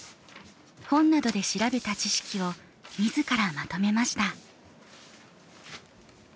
本などで調べた知識を自らまとめました。